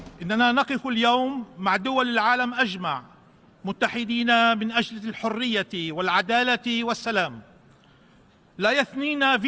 tidak ada yang bisa kita lakukan